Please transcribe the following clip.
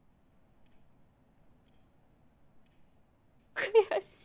悔しい。